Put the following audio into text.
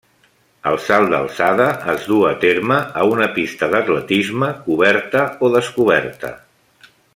El salt d'alçada es du a terme a una pista d'atletisme coberta o descoberta.